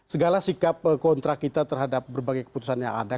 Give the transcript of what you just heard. segala sikap kontrak kita terhadap berbagai keputusan yang ada